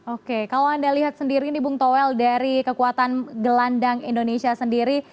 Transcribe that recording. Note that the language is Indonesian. oke kalau anda lihat sendiri ini bung toel dari kekuatan gelandang indonesia sendiri